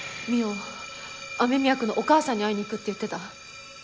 望緒雨宮くんのお母さんに会いに行くって言ってた。